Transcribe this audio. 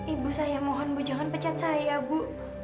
ibu saya mohon bu jangan pecat saya bu